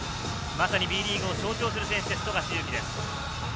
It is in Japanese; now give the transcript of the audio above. まさにＢリーグを象徴する選手です。